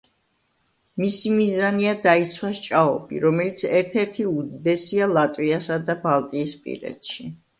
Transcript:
მისი მიზანია დაიცვას ჭაობი, რომელიც ერთ-ერთი უდიდესია ლატვიასა და ბალტიისპირეთში.